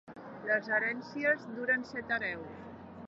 Les herències duren set hereus.